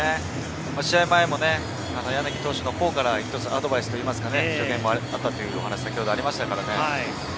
試合前も柳投手のほうから一つアドバイスというか、それもあったという話が先ほどもありました。